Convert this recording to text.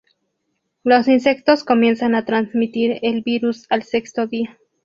Los insectos comienzan a transmitir el virus al sexto día.